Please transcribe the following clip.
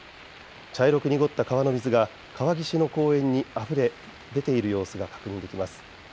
茶色く濁った川の水が川岸の公園にあふれ出ている様子が確認できます。